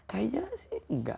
kayaknya sih enggak